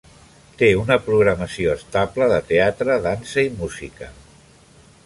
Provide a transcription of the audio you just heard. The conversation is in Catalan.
Té una programació estable de teatre, dansa i música.